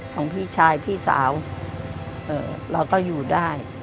ของพี่ชายพี่สาวเราก็อยู่ได้